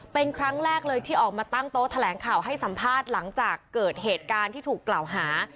เป็นครั้งแรกเลยที่ออกมาตั้งโต๊ะแถลงข่าวให้สัมภาษณ์หลังจากเกิดเหตุการณ์ที่ถูกกล่าวหา